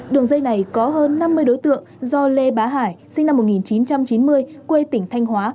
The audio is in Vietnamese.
đường dây này có hơn năm mươi đối tượng do lê bá hải sinh năm một nghìn chín trăm chín mươi quê tỉnh thanh hóa